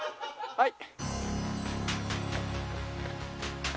はい。